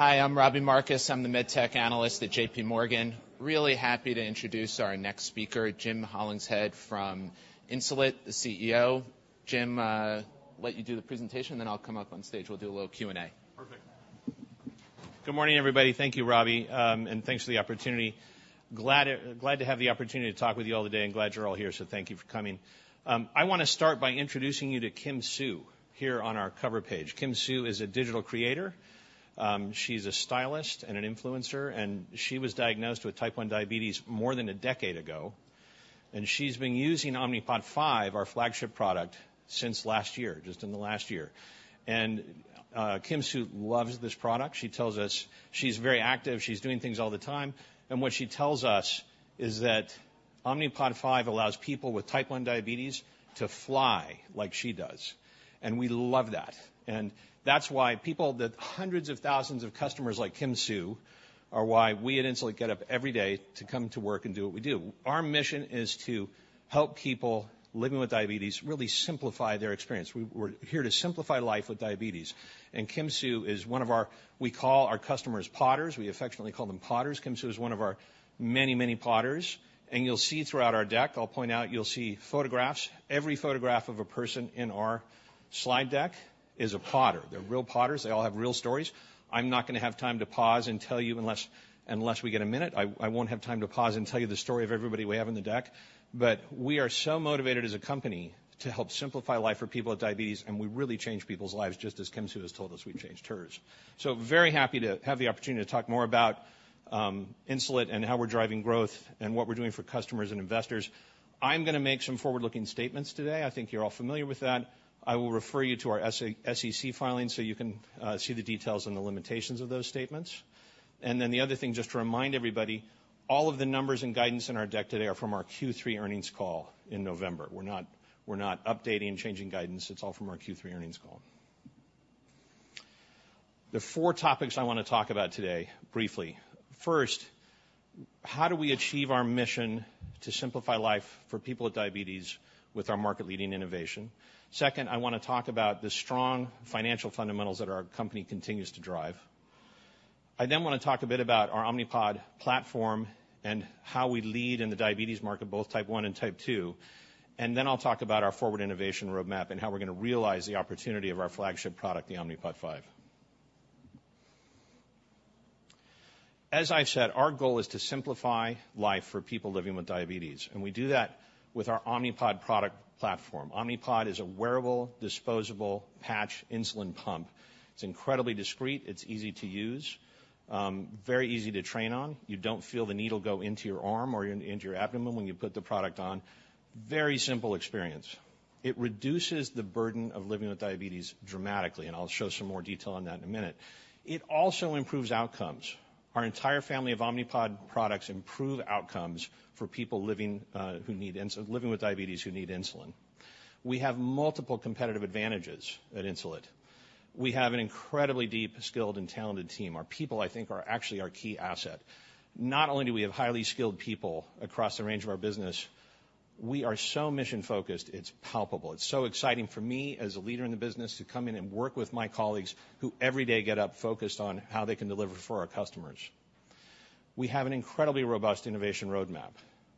Hi, I'm Robbie Marcus. I'm the MedTech Analyst at JPMorgan. Really happy to introduce our next speaker, Jim Hollingshead from Insulet, the CEO. Jim, I'll let you do the presentation, then I'll come up on stage. We'll do a little Q&A. Perfect. Good morning, everybody. Thank you, Robbie. And thanks for the opportunity. Glad, glad to have the opportunity to talk with you all today and glad you're all here, so thank you for coming. I wanna start by introducing you to Kim Sue here on our cover page. Kim Sue is a digital creator. She's a stylist and an influencer, and she was diagnosed with Type 1 diabetes more than a decade ago, and she's been using Omnipod 5, our flagship product, since last year, just in the last year. And, Kim Sue loves this product. She tells us she's very active, she's doing things all the time, and what she tells us is that Omnipod 5 allows people with Type 1 diabetes to fly like she does. And we love that. That's why people, the hundreds of thousands of customers like Kim Sue, are why we at Insulet get up every day to come to work and do what we do. Our mission is to help people living with diabetes really simplify their experience. We're here to simplify life with diabetes, and Kim Sue is one of our we call our customers Podders. We affectionately call them Podders. Kim Sue is one of our many, many Podders, and you'll see throughout our deck, I'll point out you'll see photographs. Every photograph of a person in our slide deck is a Podder. They're real Podders. They all have real stories. I'm not gonna have time to pause and tell you, unless we get a minute, I won't have time to pause and tell you the story of everybody we have in the deck. But we are so motivated as a company to help simplify life for people with diabetes, and we really change people's lives, just as Kim Sue has told us we've changed hers. So very happy to have the opportunity to talk more about Insulet and how we're driving growth and what we're doing for customers and investors. I'm gonna make some forward-looking statements today. I think you're all familiar with that. I will refer you to our SEC filings so you can see the details and the limitations of those statements. And then the other thing, just to remind everybody, all of the numbers and guidance in our deck today are from our Q3 earnings call in November. We're not, we're not updating and changing guidance. It's all from our Q3 earnings call. The four topics I wanna talk about today, briefly: First, how do we achieve our mission to simplify life for people with diabetes with our market-leading innovation? Second, I wanna talk about the strong financial fundamentals that our company continues to drive. I then wanna talk a bit about our Omnipod platform and how we lead in the diabetes market, both Type 1 and Type 2. And then I'll talk about our forward innovation roadmap and how we're gonna realize the opportunity of our flagship product, the Omnipod 5. As I've said, our goal is to simplify life for people living with diabetes, and we do that with our Omnipod product platform. Omnipod is a wearable, disposable patch insulin pump. It's incredibly discreet, it's easy to use, very easy to train on. You don't feel the needle go into your arm or into your abdomen when you put the product on. Very simple experience. It reduces the burden of living with diabetes dramatically, and I'll show some more detail on that in a minute. It also improves outcomes. Our entire family of Omnipod products improve outcomes for people living, who need insulin, living with diabetes, who need insulin. We have multiple competitive advantages at Insulet. We have an incredibly deep, skilled, and talented team. Our people, I think, are actually our key asset. Not only do we have highly skilled people across the range of our business, we are so mission-focused, it's palpable. It's so exciting for me as a leader in the business to come in and work with my colleagues, who every day get up focused on how they can deliver for our customers. We have an incredibly robust innovation roadmap.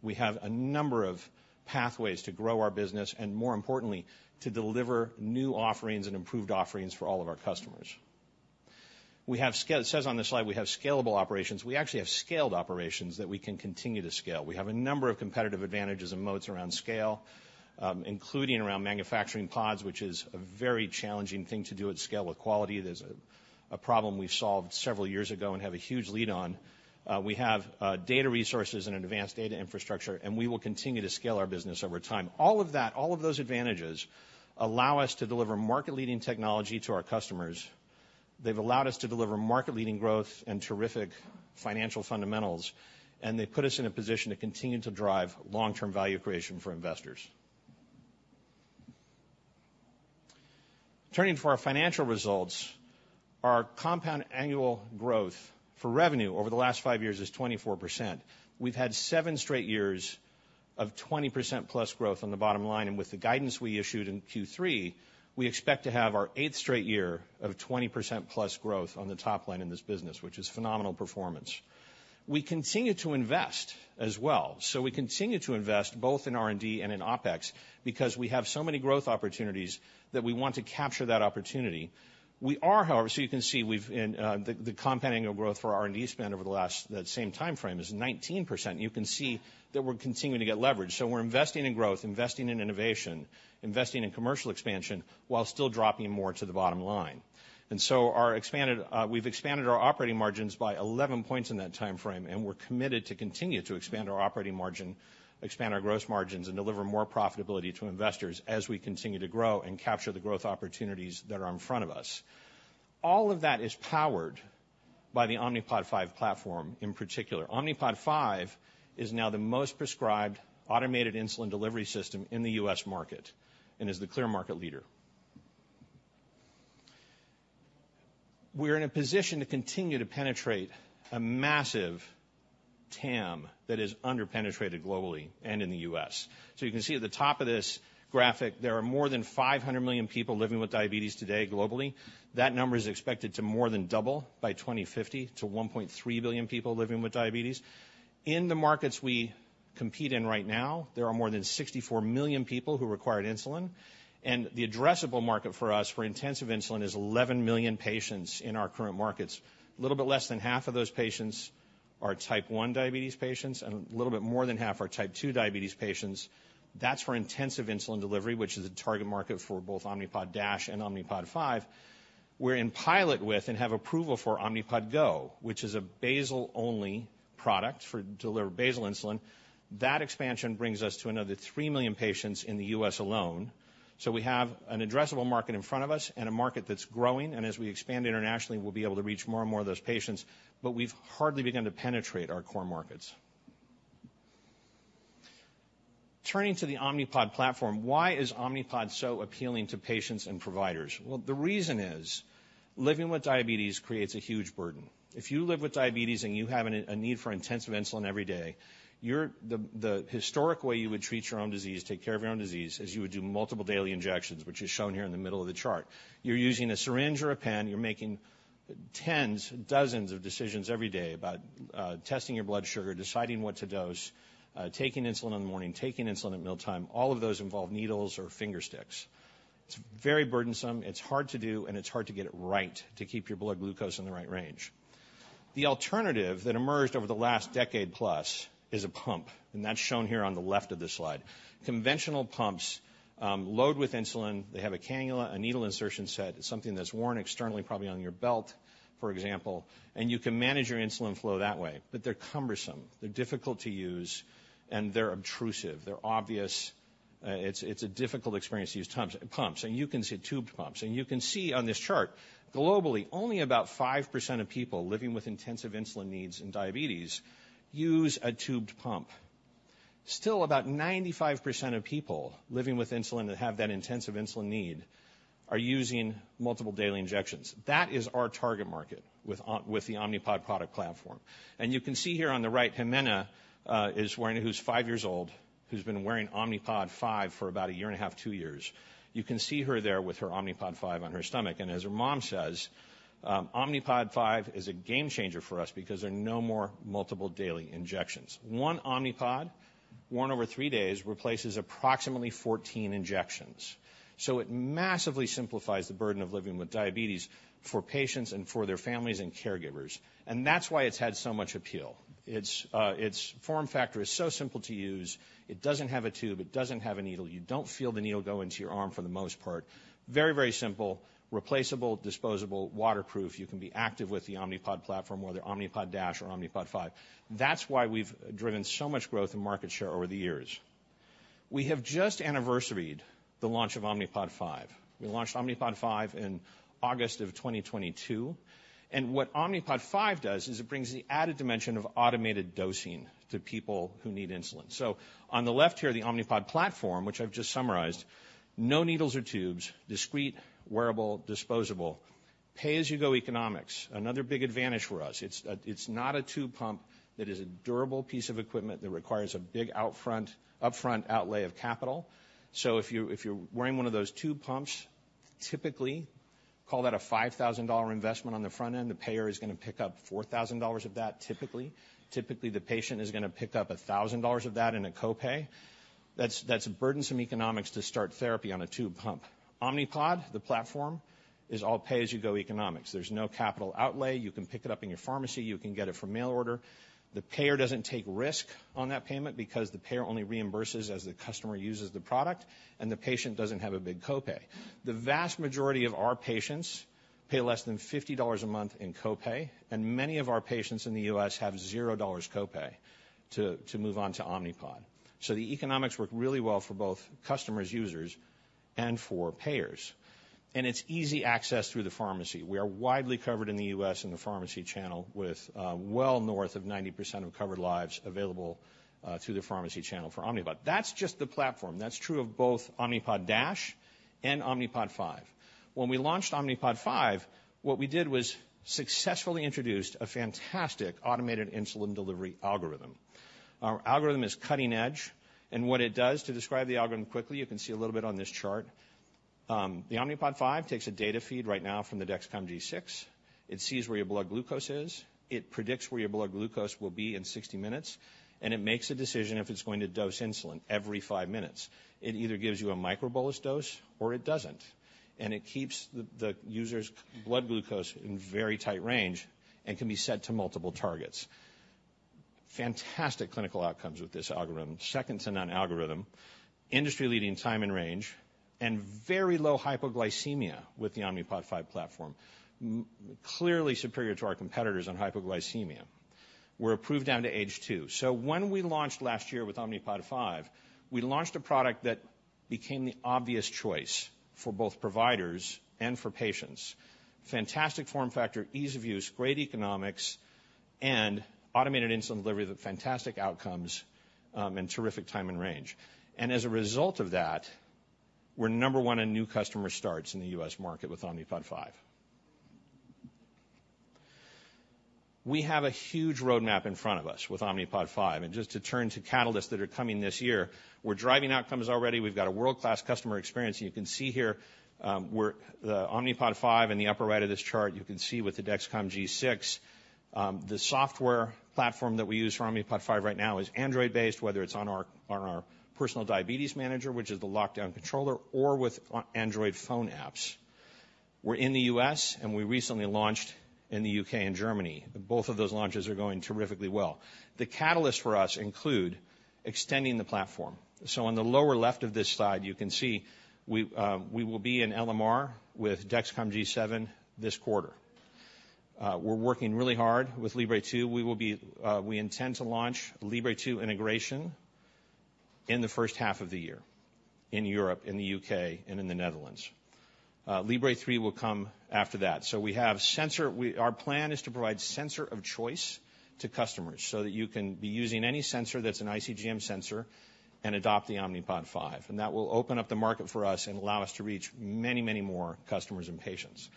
We have a number of pathways to grow our business and, more importantly, to deliver new offerings and improved offerings for all of our customers. We have scale. It says on this slide, we have scalable operations. We actually have scaled operations that we can continue to scale. We have a number of competitive advantages and moats around scale, including around manufacturing pods, which is a very challenging thing to do at scale with quality. There's a problem we solved several years ago and have a huge lead on. We have data resources and an advanced data infrastructure, and we will continue to scale our business over time. All of that, all of those advantages, allow us to deliver market-leading technology to our customers. They've allowed us to deliver market-leading growth and terrific financial fundamentals, and they've put us in a position to continue to drive long-term value creation for investors. Turning to our financial results, our compound annual growth for revenue over the last five years is 24%. We've had seven straight years of 20%+ growth on the bottom line, and with the guidance we issued in Q3, we expect to have our eighth straight year of 20%+ growth on the top line in this business, which is phenomenal performance. We continue to invest as well. So we continue to invest both in R&D and in OpEx because we have so many growth opportunities that we want to capture that opportunity. We are, however, so you can see, we've the compounding of growth for our R&D spend over the last, that same timeframe is 19%. You can see that we're continuing to get leverage. So we're investing in growth, investing in innovation, investing in commercial expansion, while still dropping more to the bottom line. And so we've expanded our operating margins by 11 points in that timeframe, and we're committed to continue to expand our operating margin, expand our gross margins, and deliver more profitability to investors as we continue to grow and capture the growth opportunities that are in front of us. All of that is powered by the Omnipod 5 platform in particular. Omnipod 5 is now the most prescribed automated insulin delivery system in the U.S. market and is the clear market leader. We're in a position to continue to penetrate a massive TAM that is underpenetrated globally and in the U.S. So you can see at the top of this graphic, there are more than 500 million people living with diabetes today globally. That number is expected to more than double by 2050 to 1.3 billion people living with diabetes. In the markets we compete in right now, there are more than 64 million people who require insulin, and the addressable market for us for intensive insulin is 11 million patients in our current markets. A little bit less than half of those patients are Type 1 diabetes patients, and a little bit more than half are Type 2 diabetes patients. That's for intensive insulin delivery, which is the target market for both Omnipod DASH and Omnipod 5. We're in pilot with and have approval for Omnipod Go, which is a basal-only product for deliver basal insulin. That expansion brings us to another Three million patients in the U.S. alone. So we have an addressable market in front of us and a market that's growing, and as we expand internationally, we'll be able to reach more and more of those patients, but we've hardly begun to penetrate our core markets. Turning to the Omnipod platform, why is Omnipod so appealing to patients and providers? Well, the reason is living with diabetes creates a huge burden. If you live with diabetes and you have a need for intensive insulin every day, you're the historic way you would treat your own disease, take care of your own disease, is you would do multiple daily injections, which is shown here in the middle of the chart. You're using a syringe or a pen. You're making tens, dozens of decisions every day about, testing your blood sugar, deciding what to dose, taking insulin in the morning, taking insulin at mealtime. All of those involve needles or finger sticks. It's very burdensome, it's hard to do, and it's hard to get it right to keep your blood glucose in the right range. The alternative that emerged over the last decade plus is a pump, and that's shown here on the left of this slide. Conventional pumps, load with insulin. They have a cannula, a needle insertion set, something that's worn externally, probably on your belt, for example, and you can manage your insulin flow that way. But they're cumbersome, they're difficult to use, and they're obtrusive. They're obvious. It's, it's a difficult experience to use tubs, pumps, and you can see tubed pumps. You can see on this chart, globally, only about 5% of people living with intensive insulin needs and diabetes use a tubed pump. Still, about 95% of people living with insulin that have that intensive insulin need are using multiple daily injections. That is our target market with the Omnipod product platform. You can see here on the right, Ximena is wearing, who's five years old, who's been wearing Omnipod 5 for about a year and a half, two years. You can see her there with her Omnipod 5 on her stomach, and as her mom says, "Omnipod 5 is a game changer for us because there are no more multiple daily injections." One Omnipod, worn over three days, replaces approximately 14 injections. It massively simplifies the burden of living with diabetes for patients and for their families and caregivers. That's why it's had so much appeal. Its form factor is so simple to use. It doesn't have a tube. It doesn't have a needle. You don't feel the needle go into your arm for the most part. Very, very simple, replaceable, disposable, waterproof. You can be active with the Omnipod platform, whether Omnipod DASH or Omnipod 5. That's why we've driven so much growth in market share over the years. We have just anniversaried the launch of Omnipod 5. We launched Omnipod 5 in August of 2022, and what Omnipod 5 does is it brings the added dimension of automated dosing to people who need insulin. So on the left here, the Omnipod platform, which I've just summarized, no needles or tubes, discreet, wearable, disposable, pay-as-you-go economics. Another big advantage for us, it's not a tube pump that is a durable piece of equipment that requires a big upfront outlay of capital. So if you're wearing one of those tube pumps, typically call that a $5,000 investment on the front end. The payer is going to pick up $4,000 of that, typically. Typically, the patient is going to pick up $1,000 of that in a copay. That's burdensome economics to start therapy on a tube pump. Omnipod, the platform, is all pay-as-you-go economics. There's no capital outlay. You can pick it up in your pharmacy. You can get it from mail order. The payer doesn't take risk on that payment because the payer only reimburses as the customer uses the product, and the patient doesn't have a big copay. The vast majority of our patients pay less than $50 a month in copay, and many of our patients in the U.S. have $0 copay to move on to Omnipod. So the economics work really well for both customers, users and for payers, and it's easy access through the pharmacy. We are widely covered in the U.S. in the pharmacy channel with well north of 90% of covered lives available through the pharmacy channel for Omnipod. That's just the platform. That's true of both Omnipod DASH and Omnipod 5. When we launched Omnipod 5, what we did was successfully introduced a fantastic automated insulin delivery algorithm. Our algorithm is cutting edge and what it does, to describe the algorithm quickly, you can see a little bit on this chart. The Omnipod 5 takes a data feed right now from the Dexcom G6. It sees where your blood glucose is, it predicts where your blood glucose will be in 60 minutes, and it makes a decision if it's going to dose insulin every five minutes. It either gives you a microbolus dose or it doesn't, and it keeps the user's blood glucose in very tight range and can be set to multiple targets. Fantastic clinical outcomes with this algorithm. Second to none algorithm, industry-leading time and range, and very low hypoglycemia with the Omnipod 5 platform. Clearly superior to our competitors on hypoglycemia. We're approved down to age two. So when we launched last year with Omnipod 5, we launched a product that became the obvious choice for both providers and for patients. Fantastic form factor, ease of use, great economics, and automated insulin delivery with fantastic outcomes, and terrific time and range. As a result of that, we're number one in new customer starts in the U.S. market with Omnipod 5. We have a huge roadmap in front of us with Omnipod 5. Just to turn to catalysts that are coming this year, we're driving outcomes already. We've got a world-class customer experience, and you can see here, the Omnipod 5 in the upper right of this chart, you can see with the Dexcom G6. The software platform that we use for Omnipod 5 right now is Android-based, whether it's on our, on our Personal Diabetes Manager, which is the Omnipod 5 Controller, or with Android phone apps. We're in the U.S., and we recently launched in the U.K. and Germany. Both of those launches are going terrifically well. The catalyst for us include extending the platform. So on the lower left of this slide, you can see we, we will be in LMR with Dexcom G7 this quarter. We're working really hard with Libre 2. We will be, we intend to launch Libre 2 integration in the first half of the year in Europe, in the U.K., and in the Netherlands. Libre 3 will come after that. So we have sensor. Our plan is to provide sensor of choice to customers, so that you can be using any sensor that's an iCGM sensor and adopt the Omnipod 5. And that will open up the market for us and allow us to reach many, many more customers and patients.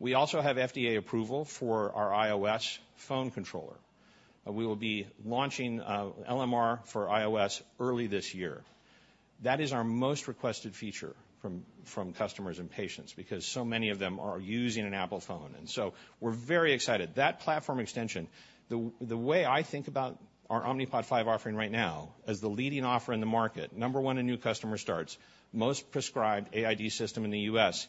We also have FDA approval for our iOS phone controller. We will be launching, LMR for iOS early this year. That is our most requested feature from customers and patients because so many of them are using an Apple phone, and so we're very excited. That platform extension, the way I think about our Omnipod 5 offering right now, as the leading offer in the market, number one in new customer starts, most prescribed AID system in the U.S.,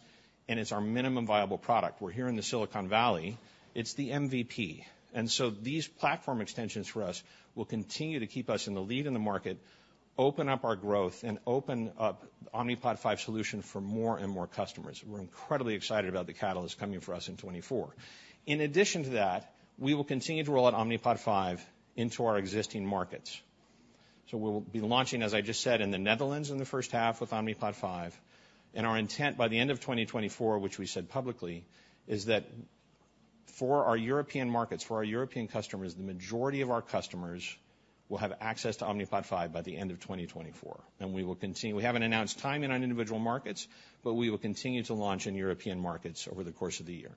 and it's our minimum viable product. We're here in the Silicon Valley. It's the MVP. And so these platform extensions for us will continue to keep us in the lead in the market, open up our growth, and open up Omnipod 5 solution for more and more customers. We're incredibly excited about the catalyst coming for us in 2024. In addition to that, we will continue to roll out Omnipod 5 into our existing markets. So we'll be launching, as I just said, in the Netherlands in the first half with Omnipod 5, and our intent by the end of 2024, which we said publicly, is that for our European markets, for our European customers, the majority of our customers will have access to Omnipod 5 by the end of 2024. We will continue. We haven't announced timing on individual markets, but we will continue to launch in European markets over the course of the year.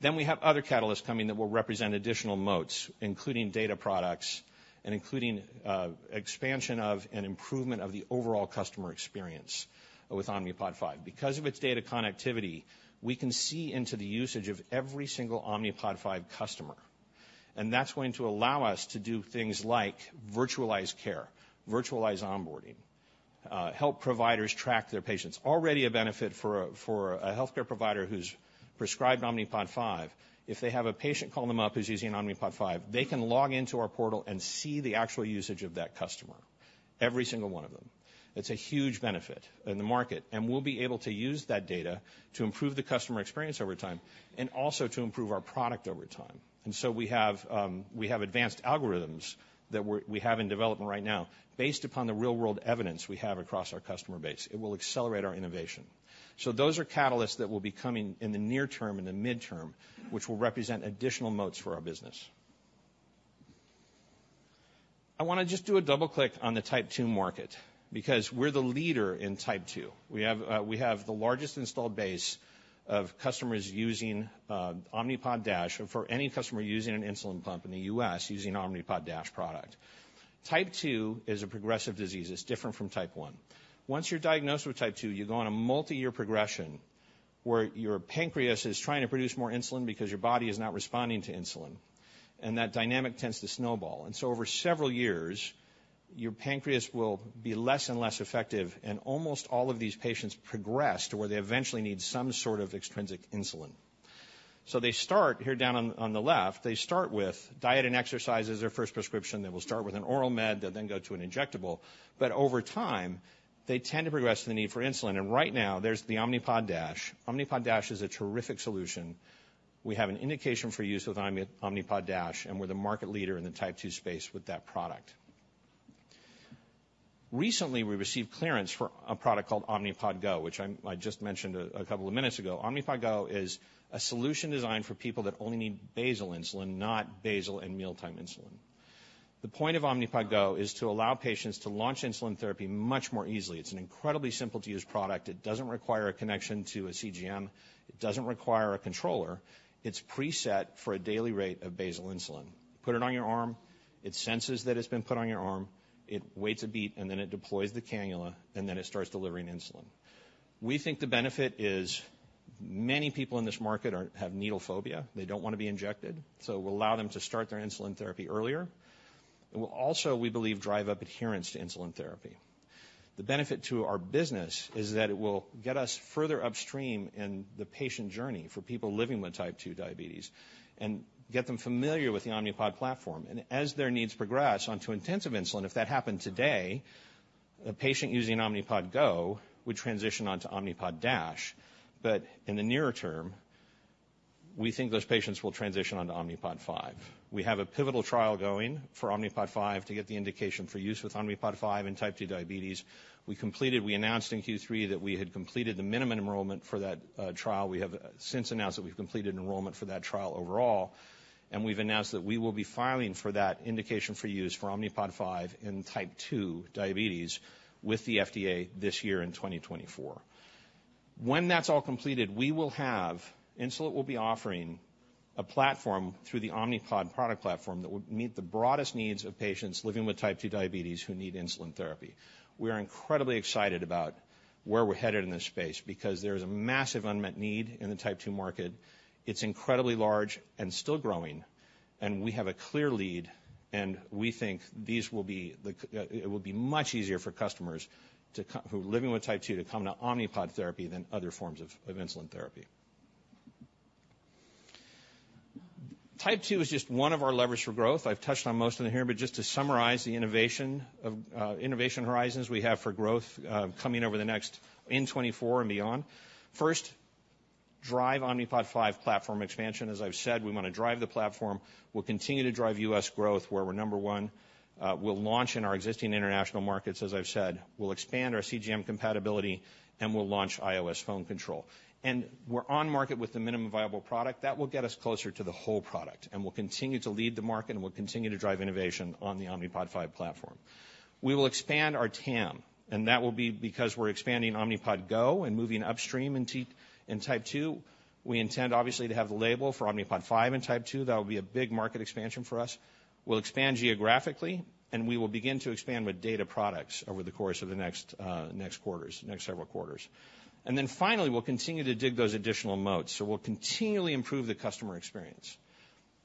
Then we have other catalysts coming that will represent additional moats, including data products and including expansion of and improvement of the overall customer experience with Omnipod 5. Because of its data connectivity, we can see into the usage of every single Omnipod 5 customer, and that's going to allow us to do things like virtualized care, virtualized onboarding, help providers track their patients. Already a benefit for a healthcare provider who's prescribed Omnipod 5, if they have a patient call them up who's using an Omnipod 5, they can log into our portal and see the actual usage of that customer, every single one of them. It's a huge benefit in the market, and we'll be able to use that data to improve the customer experience over time and also to improve our product over time. And so we have advanced algorithms that we have in development right now, based upon the real-world evidence we have across our customer base. It will accelerate our innovation. So those are catalysts that will be coming in the near term, in the midterm, which will represent additional moats for our business. I wanna just do a double click on the Type 2 market, because we're the leader in Type 2. We have, we have the largest installed base of customers using, Omnipod DASH, for any customer using an insulin pump in the U.S., using Omnipod DASH product. Type 2 is a progressive disease. It's different from Type 1. Once you're diagnosed with Type 2, you go on a multi-year progression, where your pancreas is trying to produce more insulin because your body is not responding to insulin, and that dynamic tends to snowball. And so over several years, your pancreas will be less and less effective, and almost all of these patients progress to where they eventually need some sort of extrinsic insulin. So they start, here down on, on the left, they start with diet and exercise as their first prescription. They will start with an oral med, they'll then go to an injectable. But over time, they tend to progress to the need for insulin, and right now, there's the Omnipod DASH. Omnipod DASH is a terrific solution. We have an indication for use with Omnipod DASH, and we're the market leader in the type 2 space with that product. Recently, we received clearance for a product called Omnipod Go, which I just mentioned a couple of minutes ago. Omnipod Go is a solution designed for people that only need basal insulin, not basal and mealtime insulin. The point of Omnipod Go is to allow patients to launch insulin therapy much more easily. It's an incredibly simple-to-use product. It doesn't require a connection to a CGM. It doesn't require a controller. It's preset for a daily rate of basal insulin. Put it on your arm, it senses that it's been put on your arm, it waits a beat, and then it deploys the cannula, and then it starts delivering insulin. We think the benefit is many people in this market have needle phobia. They don't want to be injected, so it will allow them to start their insulin therapy earlier. It will also, we believe, drive up adherence to insulin therapy. The benefit to our business is that it will get us further upstream in the patient journey for people living with Type 2 diabetes and get them familiar with the Omnipod platform. And as their needs progress onto intensive insulin, if that happened today, a patient using Omnipod Go would transition on to Omnipod DASH, but in the nearer term, we think those patients will transition onto Omnipod 5. We have a pivotal trial going for Omnipod 5 to get the indication for use with Omnipod 5 in Type 2 diabetes. We announced in Q3 that we had completed the minimum enrollment for that trial. We have since announced that we've completed enrollment for that trial overall, and we've announced that we will be filing for that indication for use for Omnipod 5 in Type 2 diabetes with the FDA this year in 2024... When that's all completed, we will have, Insulet will be offering a platform through the Omnipod product platform that will meet the broadest needs of patients living with Type 2 diabetes who need insulin therapy. We are incredibly excited about where we're headed in this space, because there is a massive unmet need in the Type 2 market. It's incredibly large and still growing, and we have a clear lead, and we think these will be the, it will be much easier for customers who are living with Type 2 to come to Omnipod therapy than other forms of insulin therapy. Type 2 is just one of our levers for growth. I've touched on most of them here, but just to summarize the innovation horizons we have for growth coming over the next, in 2024 and beyond. First, drive Omnipod 5 platform expansion. As I've said, we wanna drive the platform. We'll continue to drive U.S. growth, where we're number one. We'll launch in our existing international markets, as I've said. We'll expand our CGM compatibility, and we'll launch iOS phone control. And we're on market with the minimum viable product. That will get us closer to the whole product, and we'll continue to lead the market, and we'll continue to drive innovation on the Omnipod 5 platform. We will expand our TAM, and that will be because we're expanding Omnipod Go and moving upstream in Type 2. We intend, obviously, to have the label for Omnipod 5 in Type 2. That will be a big market expansion for us. We'll expand geographically, and we will begin to expand with data products over the course of the next several quarters. And then finally, we'll continue to dig those additional moats. So we'll continually improve the customer experience.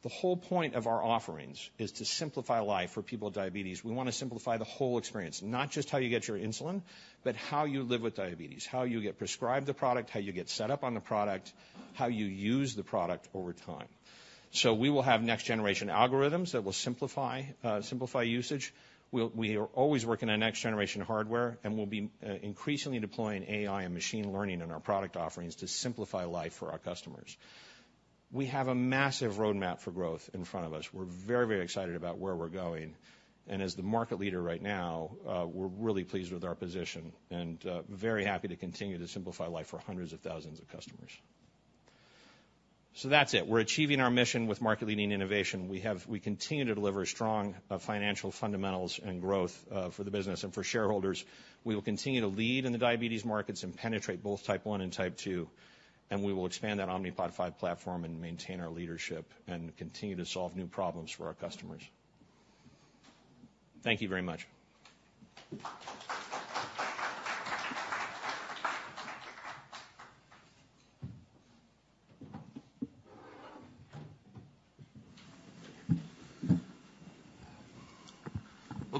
The whole point of our offerings is to simplify life for people with diabetes. We wanna simplify the whole experience, not just how you get your insulin, but how you live with diabetes, how you get prescribed the product, how you get set up on the product, how you use the product over time. So we will have next-generation algorithms that will simplify, simplify usage. We are always working on next-generation hardware, and we'll be increasingly deploying AI and machine learning in our product offerings to simplify life for our customers. We have a massive roadmap for growth in front of us. We're very, very excited about where we're going. And as the market leader right now, we're really pleased with our position and very happy to continue to simplify life for hundreds of thousands of customers. So that's it. We're achieving our mission with market-leading innovation. We continue to deliver strong financial fundamentals and growth for the business and for shareholders. We will continue to lead in the diabetes markets and penetrate both Type 1 and Type 2, and we will expand that Omnipod 5 platform and maintain our leadership and continue to solve new problems for our customers. Thank you very much.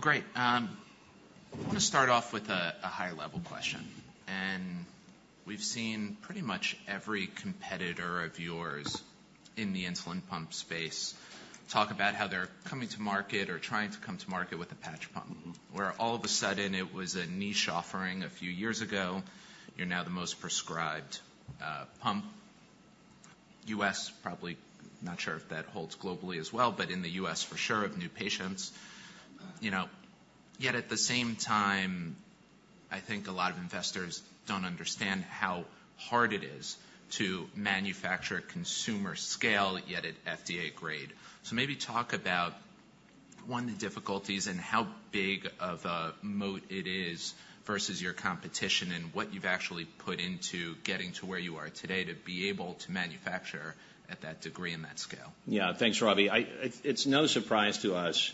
Well, great. I'm gonna start off with a high-level question. We've seen pretty much every competitor of yours in the insulin pump space talk about how they're coming to market or trying to come to market with a patch pump. Mm-hmm. Where all of a sudden, it was a niche offering a few years ago, you're now the most prescribed pump. U.S. probably, not sure if that holds globally as well, but in the U.S. for sure, of new patients. You know, yet at the same time, I think a lot of investors don't understand how hard it is to manufacture consumer scale, yet at FDA grade. So maybe talk about, one, the difficulties and how big of a moat it is versus your competition and what you've actually put into getting to where you are today to be able to manufacture at that degree and that scale. Yeah. Thanks, Robbie. It's no surprise to us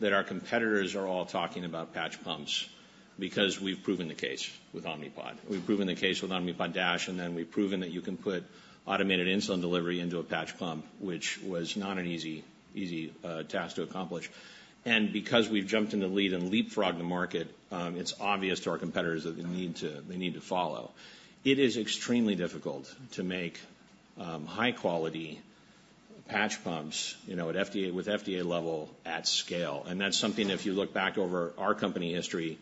that our competitors are all talking about patch pumps because we've proven the case with Omnipod. We've proven the case with Omnipod DASH, and then we've proven that you can put automated insulin delivery into a patch pump, which was not an easy, easy task to accomplish. And because we've jumped into lead and leapfrogged the market, it's obvious to our competitors that they need to, they need to follow. It is extremely difficult to make high-quality patch pumps, you know, at FDA level at scale. And that's something, if you look back over our company history,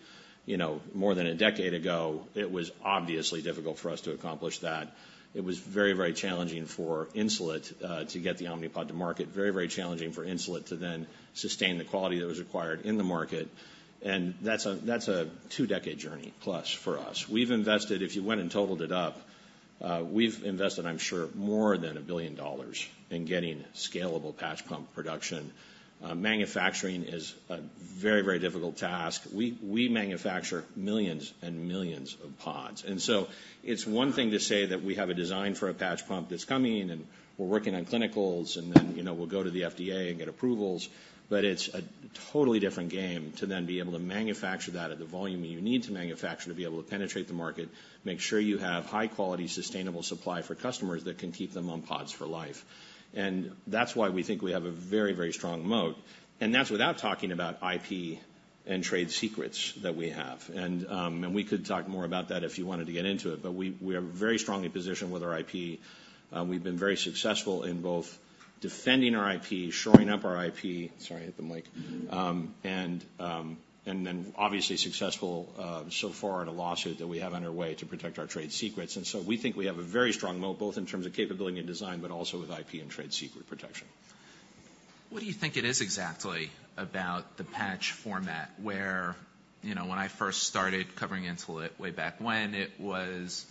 you know, more than a decade ago, it was obviously difficult for us to accomplish that. It was very, very challenging for Insulet to get the Omnipod to market. Very, very challenging for Insulet to then sustain the quality that was required in the market, and that's a, that's a 2-decade journey plus for us. We've invested, if you went and totaled it up, we've invested, I'm sure, more than $1 billion in getting scalable patch pump production. Manufacturing is a very, very difficult task. We, we manufacture millions and millions of pods. And so it's one thing to say that we have a design for a patch pump that's coming, and we're working on clinicals, and then, you know, we'll go to the FDA and get approvals. But it's a totally different game to then be able to manufacture that at the volume you need to manufacture, to be able to penetrate the market, make sure you have high-quality, sustainable supply for customers that can keep them on pods for life. And that's why we think we have a very, very strong moat. And that's without talking about IP and trade secrets that we have. And we could talk more about that if you wanted to get into it, but we are very strongly positioned with our IP. We've been very successful in both defending our IP, shoring up our IP. Sorry, I hit the mic. And then obviously successful so far in a lawsuit that we have underway to protect our trade secrets. And so we think we have a very strong moat, both in terms of capability and design, but also with IP and trade secret protection. What do you think it is exactly about the patch format where... You know, when I first started covering Insulet way back when, it was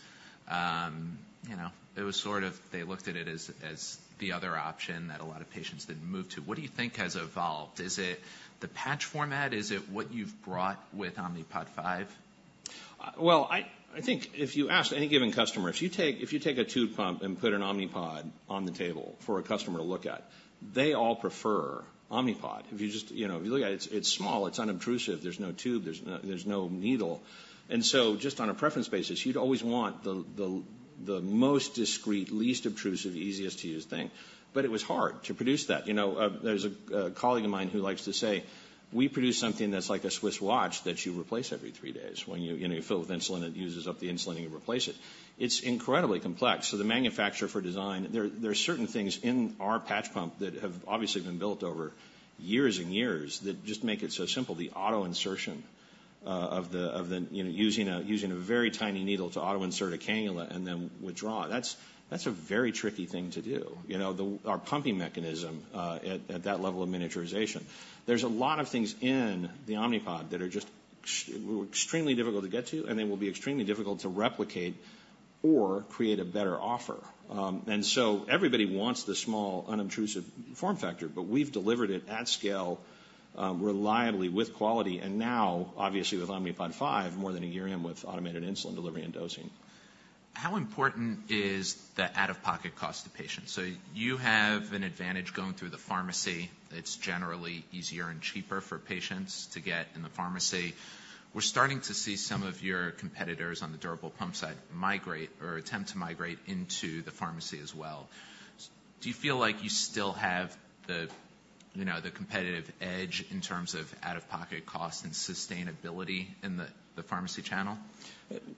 it was sort of, they looked at it as, as the other option that a lot of patients then moved to. What do you think has evolved? Is it the patch format? Is it what you've brought with Omnipod 5? Well, I think if you asked any given customer, if you take a tube pump and put an Omnipod on the table for a customer to look at, they all prefer Omnipod. If you just, you know, if you look at it, it's small, it's unobtrusive, there's no tube, there's no needle. And so just on a preference basis, you'd always want the most discreet, least obtrusive, easiest-to-use thing. But it was hard to produce that. You know, there's a colleague of mine who likes to say, "We produce something that's like a Swiss watch that you replace every three days." When you, you know, you fill it with insulin, it uses up the insulin, and you replace it. It's incredibly complex. So the manufacturing for design, there are certain things in our patch pump that have obviously been built over years and years, that just make it so simple. The auto insertion of the you know, using a very tiny needle to auto insert a cannula and then withdraw. That's a very tricky thing to do. You know, our pumping mechanism at that level of miniaturization. There's a lot of things in the Omnipod that are just extremely difficult to get to, and they will be extremely difficult to replicate or create a better offer. And so everybody wants the small, unobtrusive form factor, but we've delivered it at scale, reliably with quality, and now, obviously, with Omnipod 5, more than a year in with automated insulin delivery and dosing. How important is the out-of-pocket cost to patients? So you have an advantage going through the pharmacy. It's generally easier and cheaper for patients to get in the pharmacy. We're starting to see some of your competitors on the durable pump side migrate or attempt to migrate into the pharmacy as well. Do you feel like you still have the, you know, the competitive edge in terms of out-of-pocket costs and sustainability in the, the pharmacy channel?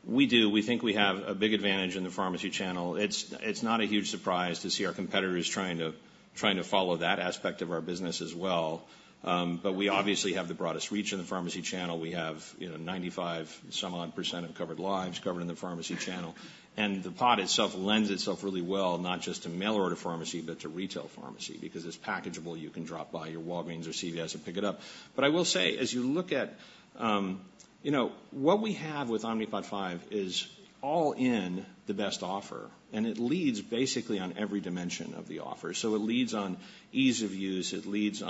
We do. We think we have a big advantage in the pharmacy channel. It's not a huge surprise to see our competitors trying to follow that aspect of our business as well. But we obviously have the broadest reach in the pharmacy channel. We have, you know, 95 some odd% of covered lives covered in the pharmacy channel. And the pod itself lends itself really well, not just to mail order pharmacy, but to retail pharmacy. Because it's packageable, you can drop by your Walgreens or CVS and pick it up. But I will say, as you look at, you know, what we have with Omnipod 5 is all in the best offer, and it leads basically on every dimension of the offer. So it leads on ease of use, it leads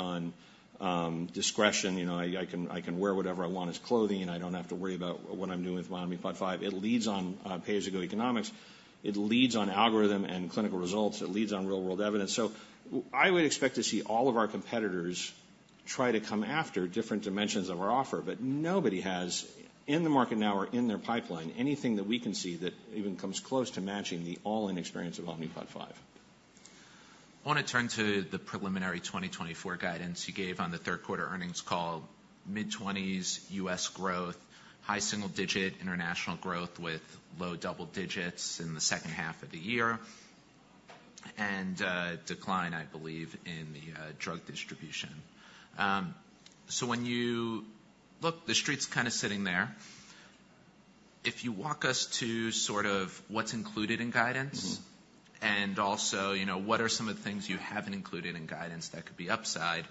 on discretion. You know, I can wear whatever I want as clothing, and I don't have to worry about what I'm doing with my Omnipod 5. It leads on pay-as-you-go economics. It leads on algorithm and clinical results. It leads on real-world evidence. So I would expect to see all of our competitors try to come after different dimensions of our offer, but nobody has, in the market now or in their pipeline, anything that we can see that even comes close to matching the all-in experience of Omnipod 5. I want to turn to the preliminary 2024 guidance you gave on the third quarter earnings call. Mid-20s U.S. growth, high single-digit international growth with low double digits in the second half of the year, and a decline, I believe, in the drug distribution. So when you... Look, the street's kind of sitting there. If you walk us to sort of what's included in guidance Also, you know, what are some of the things you haven't included in guidance that could be upside?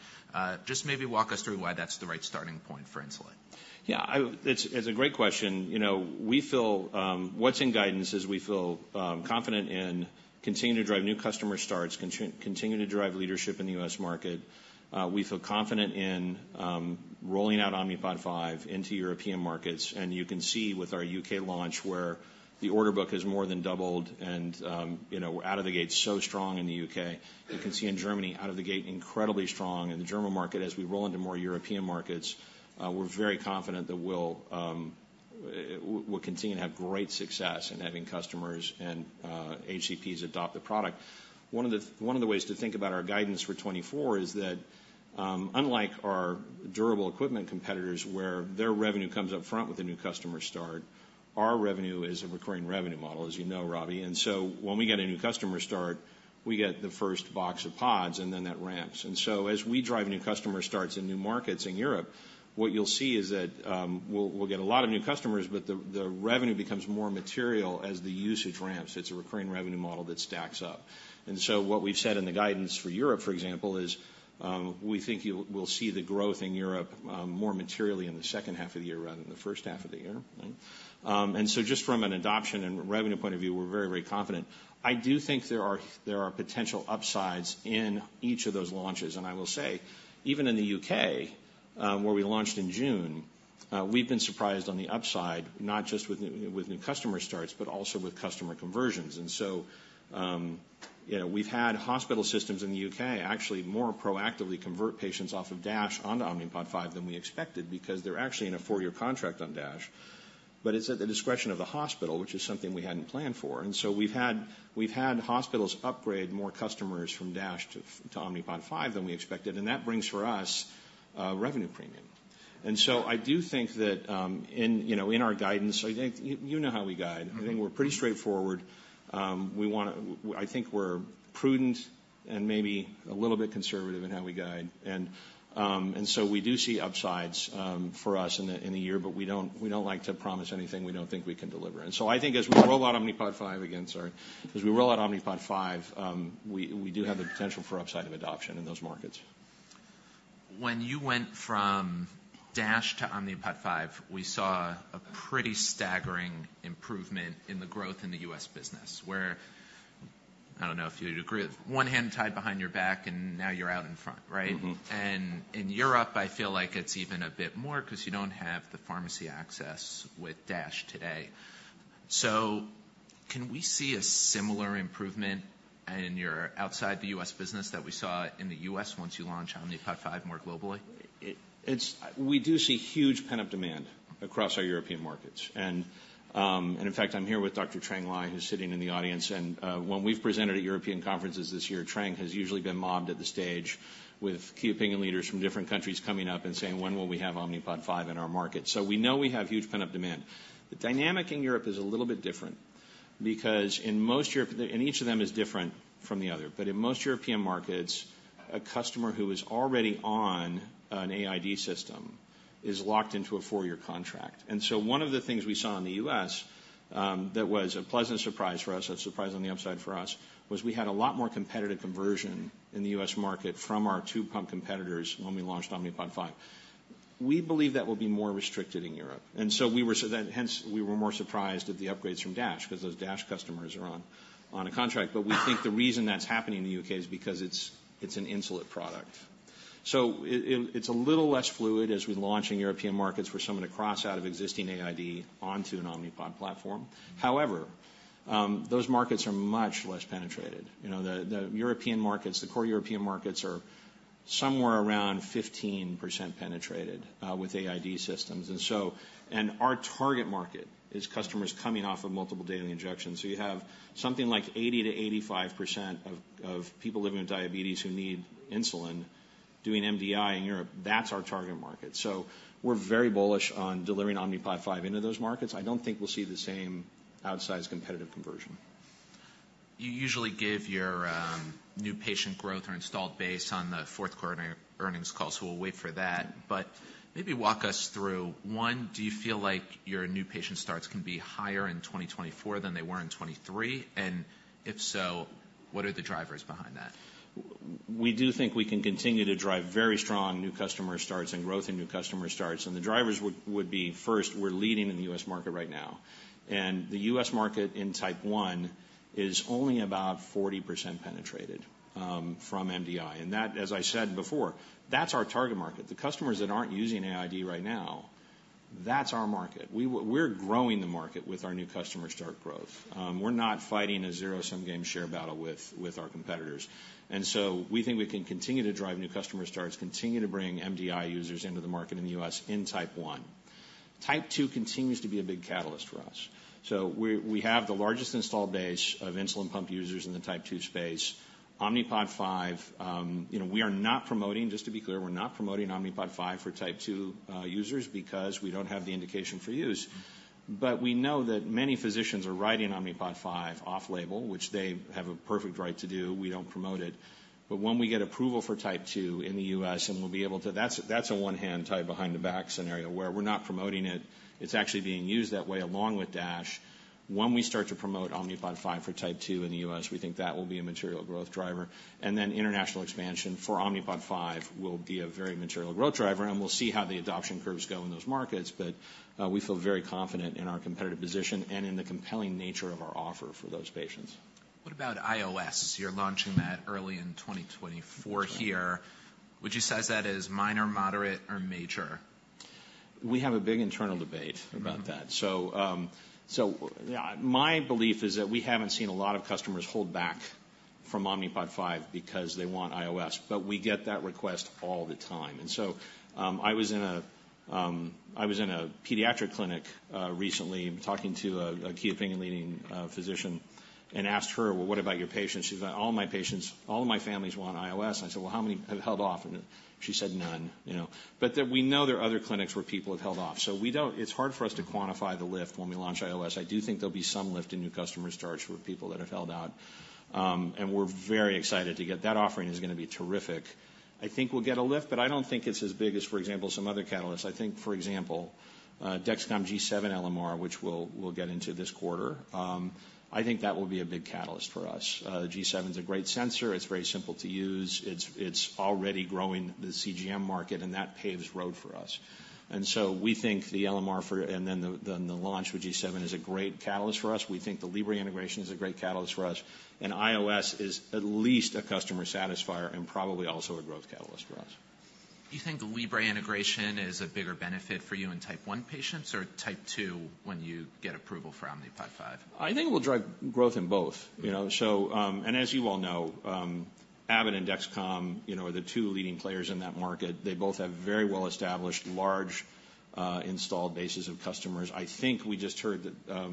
Just maybe walk us through why that's the right starting point for insulin. Yeah, it's a great question. You know, we feel, what's in guidance is we feel, confident in continuing to drive new customer starts, continuing to drive leadership in the U.S. market. We feel confident in rolling out Omnipod 5 into European markets, and you can see with our U.K. launch, where the order book has more than doubled, and, you know, we're out of the gate so strong in the U.K. You can see in Germany, out of the gate, incredibly strong in the German market. As we roll into more European markets, we're very confident that we'll continue to have great success in having customers and HCPs adopt the product. One of the ways to think about our guidance for 2024 is that, unlike our durable equipment competitors, where their revenue comes up front with a new customer start, our revenue is a recurring revenue model, as you know, Robbie. And so when we get a new customer start, we get the first box of pods, and then that ramps. And so as we drive new customer starts in new markets in Europe, what you'll see is that, we'll get a lot of new customers, but the revenue becomes more material as the usage ramps. It's a recurring revenue model that stacks up. And so what we've said in the guidance for Europe, for example, is, we think we'll see the growth in Europe, more materially in the second half of the year rather than the first half of the year, right? And so just from an adoption and revenue point of view, we're very, very confident. I do think there are, there are potential upsides in each of those launches. And I will say, even in the U.K., where we launched in June, we've been surprised on the upside, not just with new, with new customer starts, but also with customer conversions. And so, you know, we've had hospital systems in the U.K. actually more proactively convert patients off of DASH onto Omnipod 5 than we expected, because they're actually in a four-year contract on DASH, but it's at the discretion of the hospital, which is something we hadn't planned for. And so we've had, we've had hospitals upgrade more customers from DASH to, to Omnipod 5 than we expected, and that brings for us, revenue premium. And so I do think that, in, you know, in our guidance, I think you, you know how we guide. Mm-hmm. I think we're pretty straightforward. We wanna... I think we're prudent and maybe a little bit conservative in how we guide. And, and so we do see upsides, for us in the, in the year, but we don't, we don't like to promise anything we don't think we can deliver. And so I think as we roll out Omnipod 5 again, sorry, as we roll out Omnipod 5, we, we do have the potential for upside of adoption in those markets. when you went from DASH to Omnipod 5, we saw a pretty staggering improvement in the growth in the U.S. business, where, I don't know if you'd agree, one hand tied behind your back, and now you're out in front, right? Mm-hmm. In Europe, I feel like it's even a bit more, 'cause you don't have the pharmacy access with DASH today. So can we see a similar improvement in your outside the US business that we saw in the US once you launch Omnipod 5 more globally? We do see huge pent-up demand across our European markets. And, in fact, I'm here with Dr. Trang Ly, who's sitting in the audience, and, when we've presented at European conferences this year, Trang has usually been mobbed at the stage with key opinion leaders from different countries coming up and saying, "When will we have Omnipod 5 in our market?" So we know we have huge pent-up demand. The dynamic in Europe is a little bit different because in most Europe and each of them is different from the other, but in most European markets, a customer who is already on an AID system is locked into a four-year contract. And so one of the things we saw in the U.S., that was a pleasant surprise for us, a surprise on the upside for us, was we had a lot more competitive conversion in the U.S. market from our two pump competitors when we launched Omnipod 5. We believe that will be more restricted in Europe. And so we were so then hence, we were more surprised at the upgrades from DASH, 'cause those DASH customers are on a contract. But we think the reason that's happening in the U.K. is because it's an Insulet product. So it, it's a little less fluid as we launch in European markets for someone to cross out of existing AID onto an Omnipod platform. However, those markets are much less penetrated. You know, the European markets, the core European markets, are somewhere around 15% penetrated with AID systems. So our target market is customers coming off of multiple daily injections. You have something like 80%-85% of people living with diabetes who need insulin doing MDI in Europe. That's our target market. So we're very bullish on delivering Omnipod 5 into those markets. I don't think we'll see the same outsized competitive conversion. You usually give your new patient growth or installed base on the fourth quarter earnings call, so we'll wait for that. But maybe walk us through, one, do you feel like your new patient starts can be higher in 2024 than they were in 2023? And if so, what are the drivers behind that? We do think we can continue to drive very strong new customer starts and growth in new customer starts. And the drivers would be, first, we're leading in the U.S. market right now, and the U.S. market in Type 1 is only about 40% penetrated from MDI. And that, as I said before, that's our target market. The customers that aren't using AID right now, that's our market. We're growing the market with our new customer start growth. We're not fighting a zero-sum game share battle with our competitors. And so we think we can continue to drive new customer starts, continue to bring MDI users into the market in the U.S. in Type 1. Type 2 continues to be a big catalyst for us. So we have the largest installed base of insulin pump users in the Type 2 space. Omnipod 5, you know, we are not promoting, just to be clear, we're not promoting Omnipod 5 for Type 2 users because we don't have the indication for use. But we know that many physicians are writing Omnipod 5 off-label, which they have a perfect right to do. We don't promote it. But when we get approval for Type 2 in the U.S., and we'll be able to... That's, that's a one-hand tied behind the back scenario where we're not promoting it. It's actually being used that way, along with Dash. When we start to promote Omnipod 5 for Type 2 in the U.S., we think that will be a material growth driver. And then international expansion for Omnipod 5 will be a very material growth driver, and we'll see how the adoption curves go in those markets. We feel very confident in our competitive position and in the compelling nature of our offer for those patients. What about iOS? You're launching that early in 2024 here. That's right. Would you size that as minor, moderate, or major? We have a big internal debate- Mm-hmm. about that. So, so yeah, my belief is that we haven't seen a lot of customers hold back from Omnipod 5 because they want iOS, but we get that request all the time. And so, I was in a pediatric clinic recently talking to a key opinion leader physician and asked her: "Well, what about your patients?" She's like: "All my patients, all of my families want iOS." And I said, "Well, how many have held off?" And she said, "None," you know. But then we know there are other clinics where people have held off. So we don't— It's hard for us to quantify the lift when we launch iOS. I do think there'll be some lift in new customer starts with people that have held out. And we're very excited to get... That offering is gonna be terrific. I think we'll get a lift, but I don't think it's as big as, for example, some other catalysts. I think, for example, Dexcom G7 LMR, which we'll get into this quarter, I think that will be a big catalyst for us. G7's a great sensor. It's very simple to use. It's already growing the CGM market, and that paves road for us. And so we think the LMR, and then the launch for G7 is a great catalyst for us. We think the Libre integration is a great catalyst for us, and iOS is at least a customer satisfier and probably also a growth catalyst for us. Do you think the Libre integration is a bigger benefit for you in Type 1 patients or Type 2 when you get approval for Omnipod 5? I think it will drive growth in both. Mm-hmm. You know, so, and as you well know, Abbott and Dexcom, you know, are the two leading players in that market. They both have very well-established, large, installed bases of customers. I think we just heard that,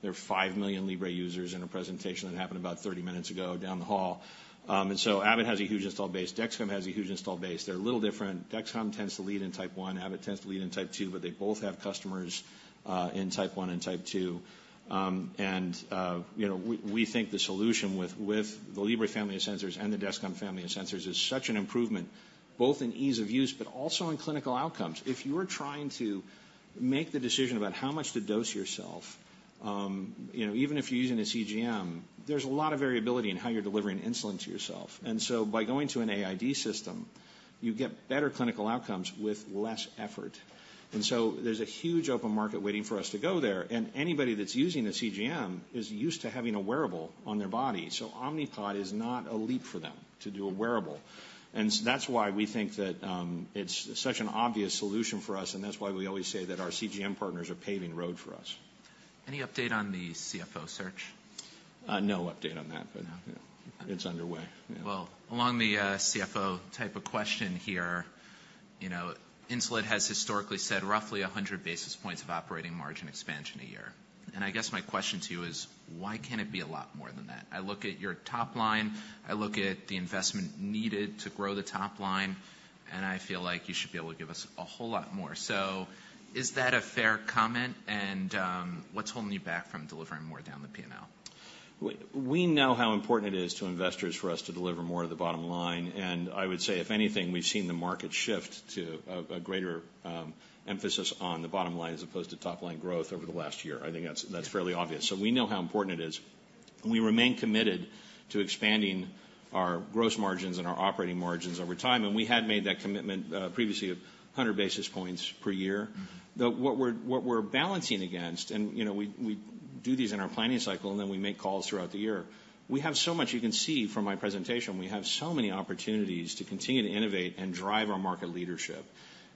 there are 5 million Libre users in a presentation that happened about 30 minutes ago down the hall. And so Abbott has a huge installed base. Dexcom has a huge installed base. They're a little different. Dexcom tends to lead in Type 1, Abbott tends to lead in Type 2, but they both have customers, in Type 1 and Type 2. And, you know, we, we think the solution with, with the Libre family of sensors and the Dexcom family of sensors is such an improvement, both in ease of use, but also in clinical outcomes. If you're trying to make the decision about how much to dose yourself, you know, even if you're using a CGM, there's a lot of variability in how you're delivering insulin to yourself. And so by going to an AID system, you get better clinical outcomes with less effort. And so there's a huge open market waiting for us to go there, and anybody that's using a CGM is used to having a wearable on their body. So Omnipod is not a leap for them to do a wearable. And that's why we think that it's such an obvious solution for us, and that's why we always say that our CGM partners are paving the road for us. Any update on the CFO search? No update on that, but It's underway. Yeah. Well, along the CFO type of question here, you know, Insulet has historically said roughly 100 basis points of operating margin expansion a year. I guess my question to you is: Why can't it be a lot more than that? I look at your top line, I look at the investment needed to grow the top line, and I feel like you should be able to give us a whole lot more. So is that a fair comment, and what's holding you back from delivering more down the P&L? We, we know how important it is to investors for us to deliver more to the bottom line, and I would say, if anything, we've seen the market shift to a greater emphasis on the bottom line as opposed to top-line growth over the last year. I think that's, that's fairly obvious. So we know how important it is. We remain committed to expanding our gross margins and our operating margins over time, and we had made that commitment previously of 100 basis points per year. Though what we're balancing against, you know, we do these in our planning cycle, and then we make calls throughout the year. We have so much. You can see from my presentation. We have so many opportunities to continue to innovate and drive our market leadership.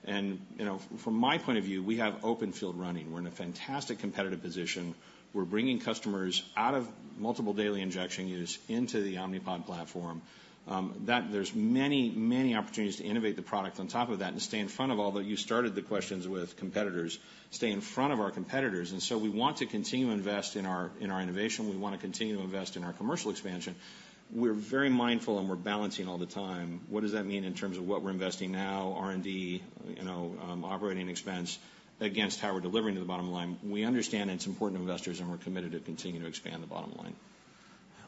You know, from my point of view, we have open field running. We're in a fantastic competitive position. We're bringing customers out of multiple daily injections use into the Omnipod platform. That there's many, many opportunities to innovate the product on top of that and stay in front of all, though you started the questions with competitors, stay in front of our competitors, and so we want to continue to invest in our innovation. We want to continue to invest in our commercial expansion. We're very mindful, and we're balancing all the time. What does that mean in terms of what we're investing now, R&D, you know, operating expense, against how we're delivering to the bottom line? We understand it's important to investors, and we're committed to continuing to expand the bottom line.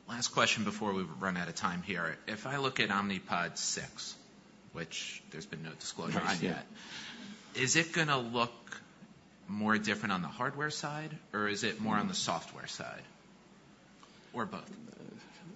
Last question before we run out of time here. If I look at Omnipod 6, which there's been no disclosure on yet, is it gonna look more different on the hardware side, or is it more on the software side, or both?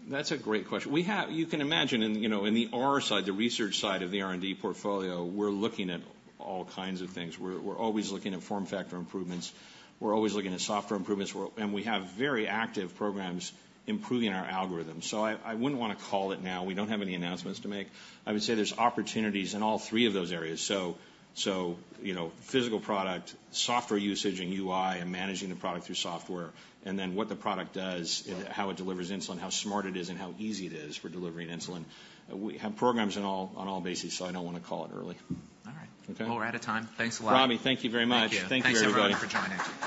That's a great question. We have. You can imagine, and, you know, in the R side, the research side of the R&D portfolio, we're looking at all kinds of things. We're always looking at form factor improvements. We're always looking at software improvements, and we have very active programs improving our algorithms. So I wouldn't want to call it now. We don't have any announcements to make. I would say there's opportunities in all three of those areas, so, you know, physical product, software usage and UI, and managing the product through software, and then what the product does. Yeah how it delivers insulin, how smart it is, and how easy it is for delivering insulin. We have programs in all, on all bases, so I don't want to call it early. All right. Okay? Well, we're out of time. Thanks a lot. Robbie, thank you very much. Thank you. Thank you, everybody. Thanks, everyone, for joining.